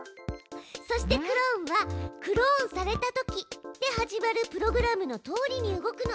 そしてクローンは「クローンされたとき」で始まるプログラムのとおりに動くの。